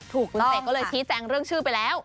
ถูกต้องคุณเสกก็เลยชี้แจงเรื่องชื่อไปแล้ว